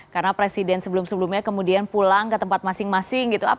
karena presiden sebelum sebelumnya kemudian pulang ke tempat masing masing gitu